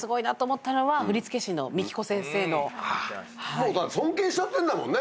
もう尊敬しちゃってんだもんね。